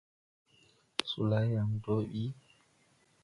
Solay yàŋ dɔɔ ɓi.